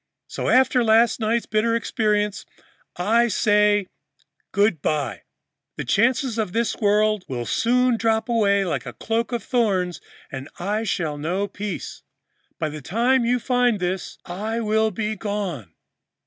So, after last night's bitter experience, I say good by. The cares of this world will soon drop away like a cloak of thorns and I shall know peace. By the time you find this, I will be gone.'"